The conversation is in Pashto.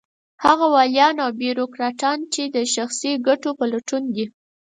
هغه واليان او بېروکراټان چې د شخصي ګټو په لټون دي.